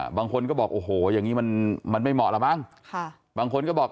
บางคนก็บอกโอ้โหอย่างนี้มันไม่เหมาะแล้วมั้งบางคนก็บอก